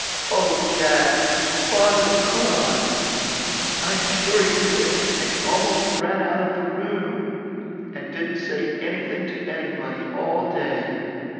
Oh, Jack! Father cried! I'm sure he did, and he almost ran out of the room, and didn't say anything to anybody all day.